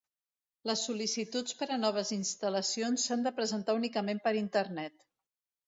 Les sol·licituds per a noves instal·lacions s'han de presentar únicament per Internet.